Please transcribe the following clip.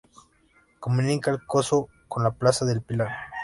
Comunica El Coso con la plaza del Pilar.